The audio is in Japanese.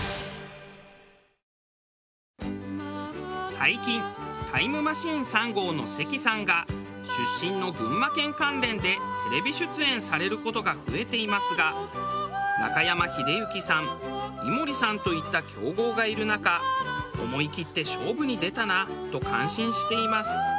最近タイムマシーン３号の関さんが出身の群馬県関連でテレビ出演される事が増えていますが中山秀征さん井森さんといった強豪がいる中思いきって勝負に出たなと感心しています。